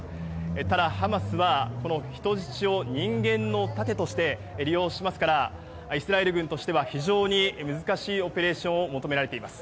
ただ、ハマスは人質を人間の盾として利用しますからイスラエル軍としては非常に難しいオペレーションを求められています。